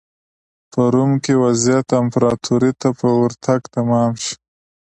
په روم کې وضعیت امپراتورۍ ته په ورتګ تمام شو.